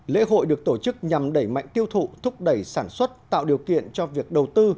lễ hội được tổ chức nhằm đẩy mạnh tiêu thụ thúc đẩy sản xuất tạo điều kiện cho việc đầu tư